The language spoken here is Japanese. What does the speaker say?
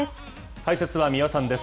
解説は三輪さんです。